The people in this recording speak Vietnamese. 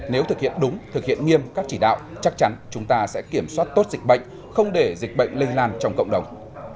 nếu thực hiện đúng thực hiện nghiêm các chỉ đạo chắc chắn chúng ta sẽ kiểm soát tốt dịch bệnh không để dịch bệnh lây lan trong cộng đồng